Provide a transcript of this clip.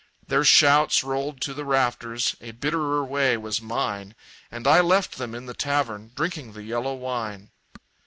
Their shouts rolled to the rafters; A bitterer way was mine, And I left them in the tavern, Drinking the yellow wine!